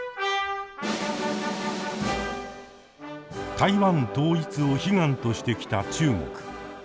台湾統一を悲願としてきた中国。